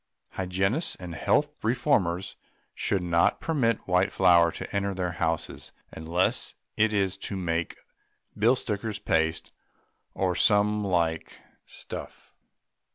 Hygienists and health reformers should not permit white flour to enter their houses, unless it is to make bill stickers' paste or some like stuff.